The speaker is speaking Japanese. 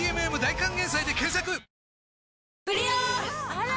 あら！